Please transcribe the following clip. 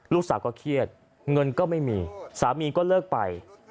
ลูกสาวก็เครียดเงินก็ไม่มีสามีก็เลิกไป